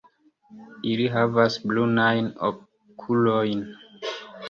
Ili havas brunajn okulojn.